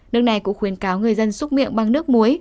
nước này cũng khuyến cáo người dân xúc miệng bằng nước muối